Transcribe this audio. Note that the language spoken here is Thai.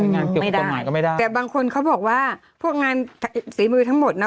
งานเก็บกฎหมายก็ไม่ได้แต่บางคนเขาบอกว่าพวกงานฝีมือทั้งหมดนะ